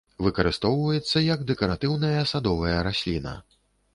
Выкарыстоўваецца, як дэкаратыўная садовая расліна.